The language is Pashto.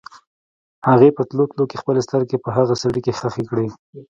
هغې په تلو تلو کې خپلې سترګې په هغه سړي کې ښخې کړې.